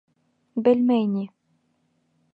Белмәй ни!